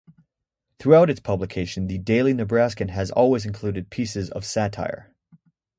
Throughout its publication the "Daily Nebraskan" has always included pieces of satire.